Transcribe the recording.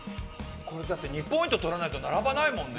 だって２ポイント取らないと並ばないもんね。